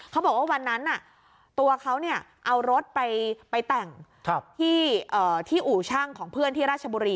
เขาบอกว่าวันนั้นตัวเขาเอารถไปแต่งที่อู่ช่างของเพื่อนที่ราชบุรี